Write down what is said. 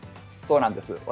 そうなんです。